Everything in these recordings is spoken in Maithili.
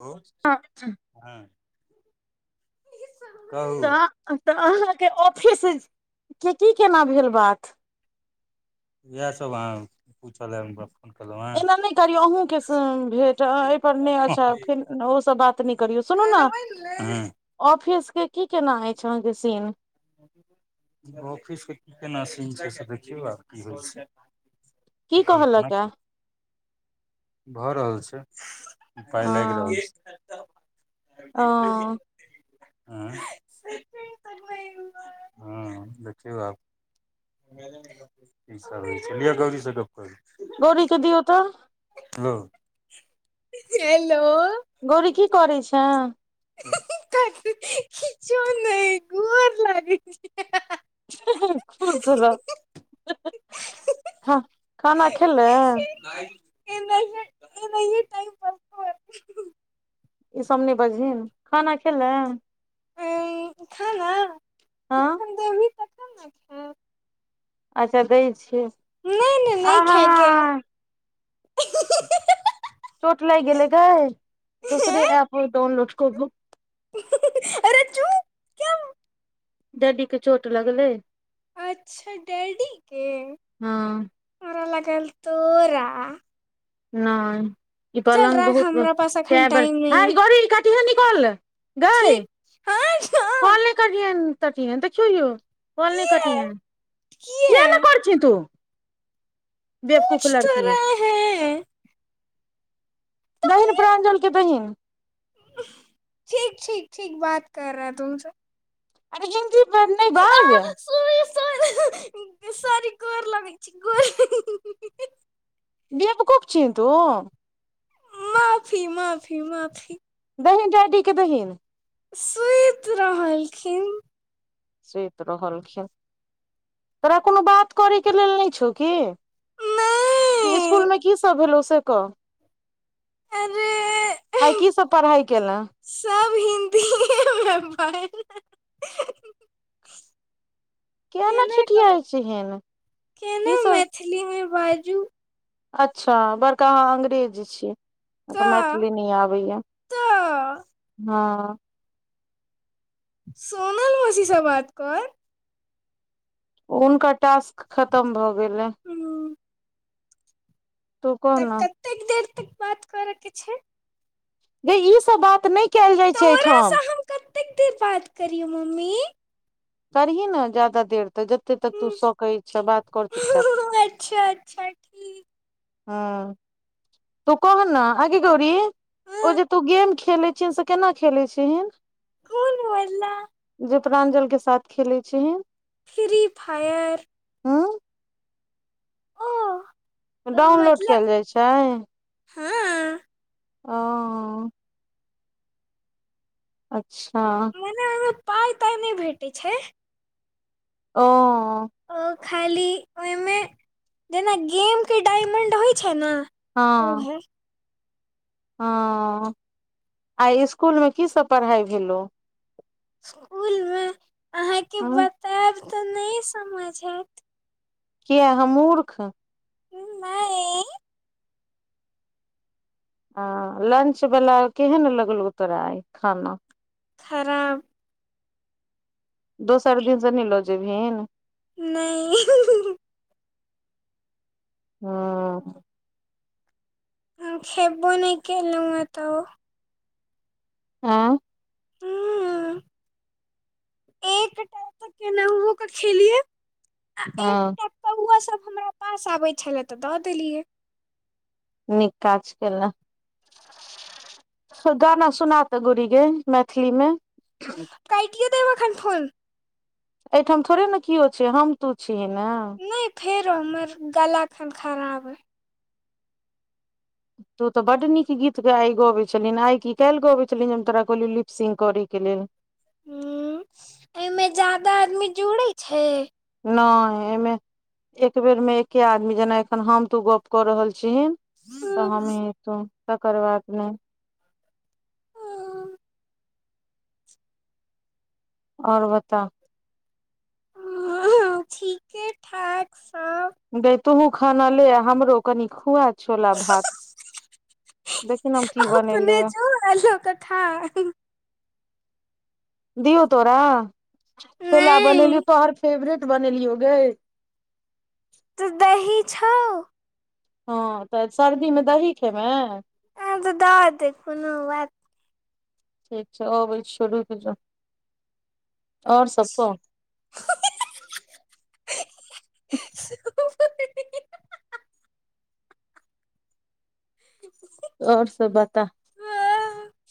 ओ तऽ हँ तऽ तऽ अहाँके ऑफिस के की केना भेल बात इएह सब आहां पूछले एलोहाँ एना नइ करियौ अहूँके भेट एहिपर नइ अच्छा फेर ओसब बात नइ करियौ सुनू न हूं ऑफिस के की केना अछि अहाँके सीन ऑफिस के केना सीन छै से देखियौ आक की होइ छै की एखन केना कहलक ये कहु भऽ रहल छै पाइ लागि हँ रहल ऊं ओ हूं देखियौ आब की सब होइ छै लिय गौरी से गप्प करू गौरी के दिऔ त लो हेल्लो गौरी की करै छैं किछो नइ गोर लागै छिअउ खुश रह खाना खेलें नाइ नहि नहि टाइम प [unintelligible] ई सब नइ बजहि खाना खेलें करब खाना हँ जखन देबही तखन न खैब अच्छा दै छियै नय ने नय आहा खाय के यै चोट लाइग गेलै गे ह दोसरे ऐप डाउनलोड क क अरे चुप क्या डायडी के चोट लगले अच्छा डाइडी के हँ हमरा लागल तोरा नहि ई चल पलग राख बहुत बेर हमरा पास अखन कैए बेर टाइम नहि य तु है निकल गए ठीक हँ हँ आनलाइ करिहैन कटिहै देखियौ यौ कोल नहि कटिन हन कियै छी तु कुछ तो रहैं दाहि ने प्राञ्जल के दहिन ठीक ठीक ठीक बात कर रहा तुमसे अरे जेन जी वर्ड नै बाज [unintelligible] गैर लगै छै बेवकूफ छीय तू माफी माफी माफी दहिन डाइडी के दहिन सुति रहलखिन सुति रहलखिन तोरा कोनो बात करै के लेल नहि छौ कि नहि स्कूल मे की सब भेलौ से क अरे आय की सब पढ़ाइ केले सब हिन्दीमे केना कहू ठिठियाइ छिहीन केना मैथिली मे बाजू अच्छा बड़का आहाँ अंग्रेज छी त आँहा क के मैथिली नय आबैया त हँ सोनम मौसी से बात कर हुनकर टास्क खत्म भऽ गेलैय हम्म, तऽ कतेक देर तक बात करके छै गे ई सब बात नय कैएल जाइ छै तोरासँ एहिठाम हम कतेक देर बात करियौ मम्मी करही ने ज्यादा देर तऽ जते तक तु सकै छैए बात कर चुपचाप ओ अच्छा अच्छा ठीक हँ तू कह न आगे गौरी उ हँ जे तू गेम खेले छह से केना खेले छहीन कोन बाला जे तोरा एंजल के साथ खेले छहि फ्री फायर हू ओ डाउनलोड मतलब कयल जाय छै हँ आ ओ अच्छा एना ओहिमे पाय तााय नहि भेटैत छै ओ ओ खाली ओहिमे जेना गेम के डायमंड होइ छै न हँ हाँ आय स्कूल में की सब पढ़ाइ भेलौ स्कूल मे अहाँ के बतायब तऽ नहि समझ ऐत किया हम मूर्ख नहि आ लंच वाला केहन लगलौ तोरा आय खाना खराब दोसर दिन सँ नै लजैबहीन नहि हि हि हु हम खेबो नहि केलहुँ हँ तऽ हँ ह एकटा तऽ केना कऽ खेलियए आ हँ एकटा कौआ सब हमरा पास आबैत छलै तऽ दऽ देलियै नीक काज केले गाना सुना तऽ गौरी गे मैथिली में काइटीयो देब ऐखन फोन एहिठाम थोड़े ने किओ छिय हम तू छीय न नहि फेरो हमर गला एखन खराब अय तूऽ तऽ बड्ड नीक गीत आई गबैत छलिहि आइ की काल्हि गबैय छलहिन जे हम तोरा कहलियौ लिप्सिंग करैय के लेल हुँ एहिमे जादा आदमी जुड़े छै नाइ एहिमे एक बेर मे एके आदमी जेना एखन हम तू गप कऽ रहल छीहिन तऽ हम हि तु तकर बाद नय और बता [unintelligible] ठीके ठाक सब गेय तुहू खान ले हमरो कनि खुआ छोला भात देखि नऽ हम की अपने जो आ लऽ कऽ खा दियौ तोरा छोला बनेलियौ तोहर फेवरेट बनेलियौ गै तऽ दही छौ हँ तऽ सर्दी मे दही खेमेय आ तऽ दऽ दे कोनो बात ठीक छै ओबै छियो रुइक जो आओर सब कह और सब बता एहिमे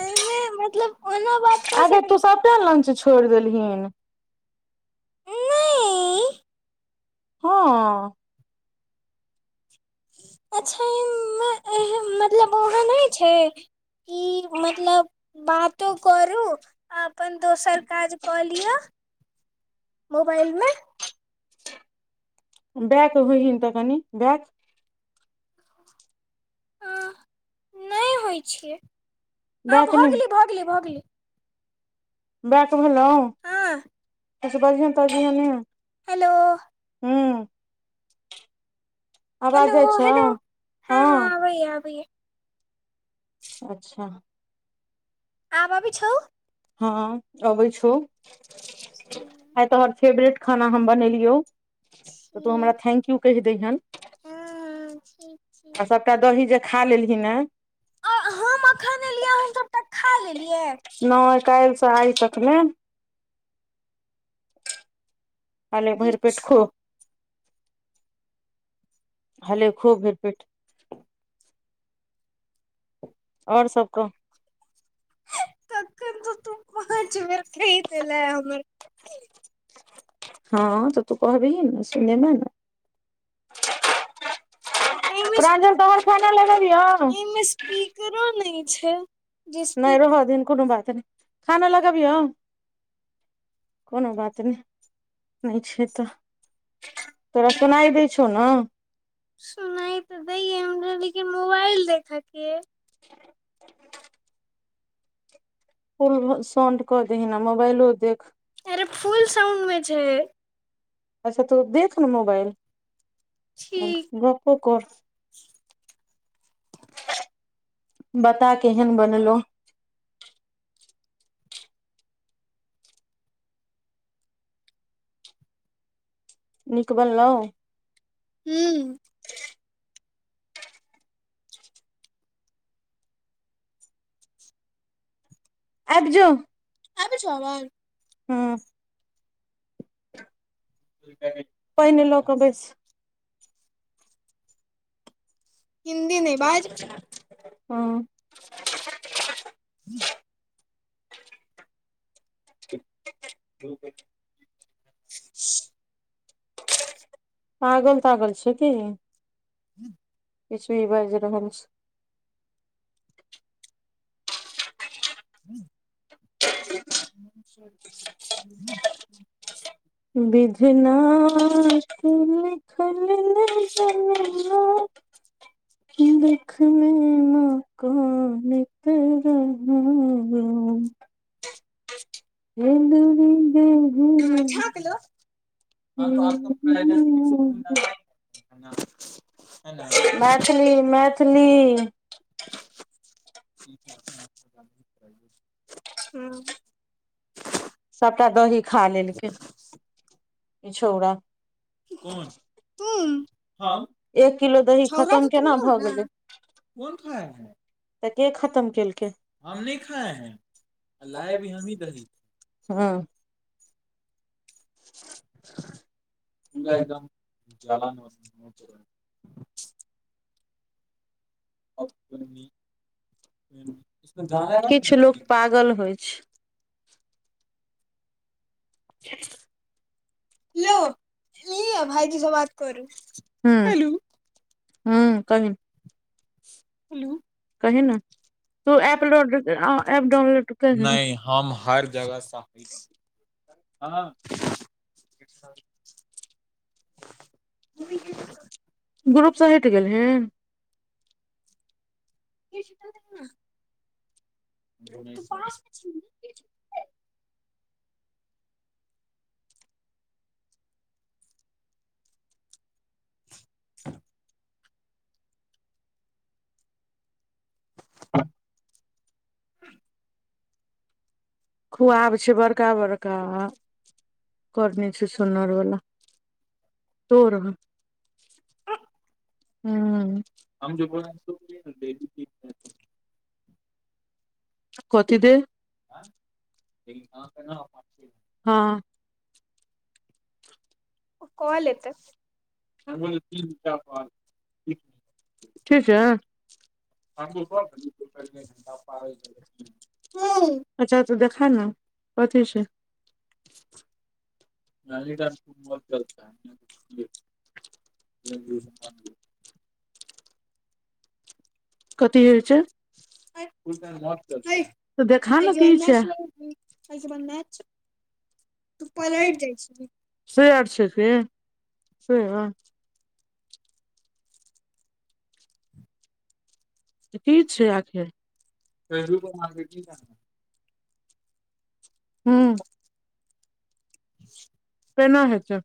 एहि मे मतलब ओना बात कऽ आगे सकै तू सबटा लंच छोड़ देलहीन छी नहि हँ अच्छा मतलब वहाँ नहि छै की मतलब बातो करू आ अपन दोसर काज कऽ लिअ मोबाइल मे बैक हो हीन तऽ कनि बैक ह नइ होइ छियै हाँ बैक भऽ गेली भऽ गेली भऽ गेली बैक भैलोअ हँ अहिसे बजियहन तजियहन नैय हेलो हूँ आवाज जाए छौ हँ आबैए आबैए अच्छा आब अबैय छौ हँ अबै छौ आय तोहर फेवरेट खाना हम बनेलियौ तऽ तू हँ हमरा थैंक्यू कहि दैहियन [inaudible] आ सबटा दही जे खा लेलही ने तऽ हम एखन एलियै हम सभटा खा लेलियै नाइ काइलसँ आइ तकमे आले भैर पेट खो किछो हले खो भैर पेट [inaudible] और सब कह तखन सँ तू पाँच बेर कहि देले हमर हँ तऽ तू कहबी ने सुनने न [inaudible] एमेस प्रांजल तोहर खाना लगबियौ एहिमे स्पीकरो नइ छैय नाइ रहऽ दिहिन कोनो बात नइ खाना लगबियौ कोनो बात नइ नहि छै तऽ तोरा सुनाई देय छौ न सुनाई ते दैये हमरा लेकिन मोबाइल देखेके ये फुल साउन्ड क देहीन आ मोबइलो देख अरे फुल साउंड मे छै अच्छा तू देख न मोबाईल ठीक गपो कर बता केहन बनलो निक बनलउ हूँ [inaudible] आबजो आबै छो आवाज हूँ पहिने लक बैस हिन्दी नहि बाज हाँ [inaudible] [unintelligible] [unintelligible] पागल तागल छै की [inaudible] किछ भी बाजि रहल छै [inaudible] [unintelligible] बिधना के लिखल ने जनलउ [inaudible] देख मे माँ कानैत रहलौ हे दुर्गो हाँ झाप लो [unintelligible] [inaudible] मैथिली मैथिली हाँ सभटा दही खा लेलकै ई छौड़ा कोन तुम कब एक किलो दही छौरा खतम तऽ तुम केना हो भऽ ने गेलै [unintelligible] तऽ के खत्म केलकै [unintelligible] हँ [inaudible] पूरा एकदम जादा न गाना गाउ न किछु लोक पागल मैथिलीमे होइ छै [inaudible] हेलो लिअ भाइजी से बात करू हेलु हूं कहि कहीन तू एप लोड एप डाउनलोड करहि हम हर जगह सापै छी [inaudible] ग्रुप सँ हटि गेलहि [unintelligible] [unintelligible] [inaudible] खुआब छै बड़का बड़का आ करनि छै छुछुनर वला तोरो [inaudible] हूं [unintelligible] कथी देेइ हँ ओ कॉल एतै ठीके [inaudible] अच्छा तऽ देखा न कथी छै म [inaudible] कथी होइ छै तऽ देखा ने की छै आइसे बन मैच सेअर छै से सेअर तऽ की छै आखिर ह हूंम् केना हेतै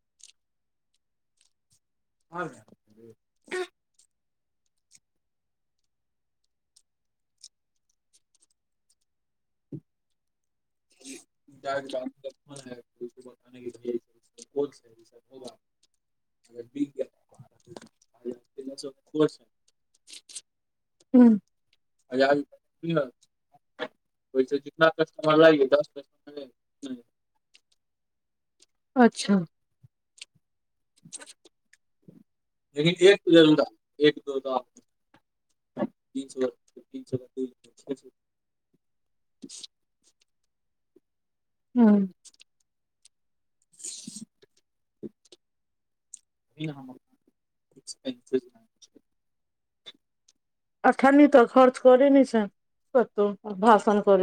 [unintelligible] अभी [inaudible] [unintelligible] कह [unintelligible] [unintelligible] हूँ [unintelligible] लागि दस द [unintelligible] अच्छा लेकिन एक जरुर आ एक दो बार [unintelligible] हूँ [inaudible] अठ्ठनी तऽ खर्च करइ नै छें कतौ आ भाषण करै छें